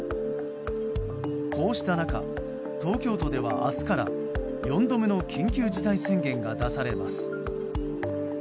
こうした中東京都では明日から４度目の緊急事態宣言が出されます。